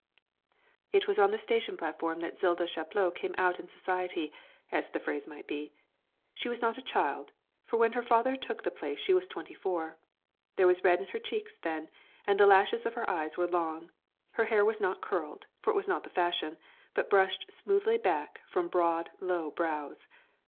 It was on the station platform that Zilda Chaplot came out in society, as the phrase might be. She was not a child, for when her father took the place she was twenty four. There was red in her cheeks then, and the lashes of her eyes were long; her hair was not curled, for it was not the fashion, but brushed smoothly back from broad low brows.